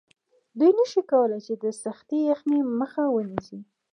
دوی نشي کولی چې د سختې یخنۍ مخه ونیسي